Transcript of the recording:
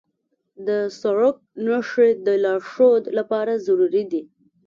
د سړک نښې د لارښود لپاره ضروري دي.